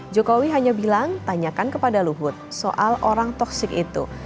jokowi hanya bilang tanyakan kepada luhut soal orang toksik itu